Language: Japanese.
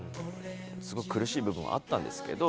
すごく苦しい部分はあったんですけど。